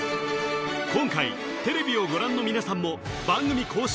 今回テレビをご覧の皆さんも番組公式